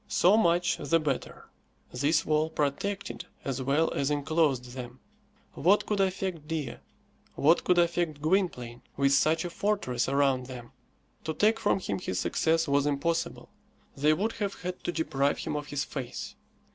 So much the better. This wall protected as well as enclosed them. What could affect Dea, what could affect Gwynplaine, with such a fortress around them? To take from him his success was impossible. They would have had to deprive him of his face.